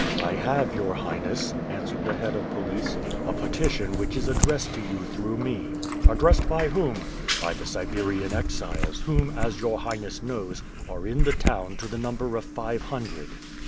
"I have your Highness," answered the head of police, "a petition which is addressed to you through me." "Addressed by whom?" "By the Siberian exiles, whom, as your Highness knows, are in the town to the number of five hundred."